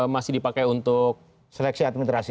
masih dipakai untuk seleksi administrasi